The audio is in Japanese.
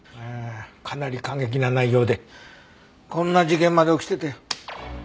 ああかなり過激な内容でこんな事件まで起きてたよ。